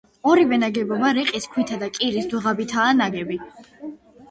ორივე ნაგებობა რიყის ქვითა და კირის დუღაბითაა ნაგები.